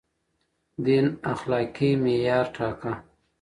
دين اخلاقي معيار ټاکه.